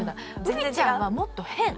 羽衣ちゃんはもっと変！